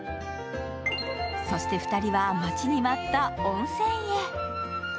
そして２人は待ちに待った温泉へ。